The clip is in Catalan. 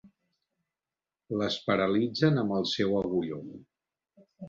Les paralitzen amb el seu agulló.